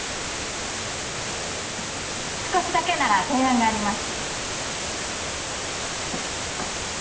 少しだけなら提案があります。